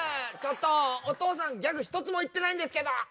ちょっとおとうさんギャグひとつもいってないんですけど。